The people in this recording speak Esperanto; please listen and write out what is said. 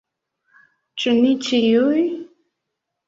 Ĉu ni ĉiuj?